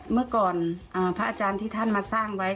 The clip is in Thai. เมื่อก่อนพระอาจารย์ที่ท่านมาสร้างไว้